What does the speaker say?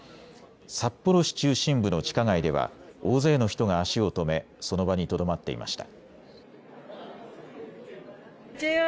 札幌市中心部の地下街では大勢の人が足を止めその場にとどまっていました。